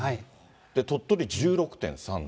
鳥取１６．３度。